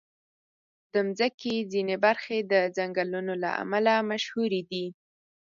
د مځکې ځینې برخې د ځنګلونو له امله مشهوري دي.